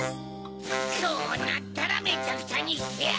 こうなったらめちゃくちゃにしてやる！